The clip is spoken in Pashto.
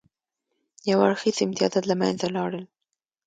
یو اړخیز امتیازات له منځه لاړل.